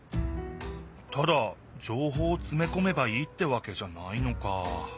ただじょうほうをつめこめばいいってわけじゃないのか。